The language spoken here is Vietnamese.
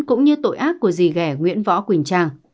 cũng như tội ác của dì ghẻ nguyễn võ quỳnh trang